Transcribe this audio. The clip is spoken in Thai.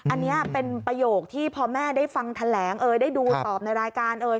อันนี้เป็นประโยคที่พอแม่ได้ฟังแถลงเอ่ยได้ดูตอบในรายการเอ่ย